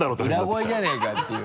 裏声じゃねぇかっていう。